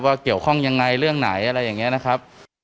เกี่ยวข้องยังไงเรื่องไหนอะไรอย่างนี้นะครับ